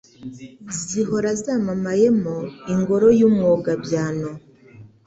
Zihora zamamayemo Ingoro y' Umwogabyano.